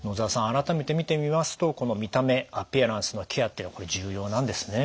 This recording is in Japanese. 改めて見てみますとこの見た目アピアランスのケアっていうのこれ重要なんですね。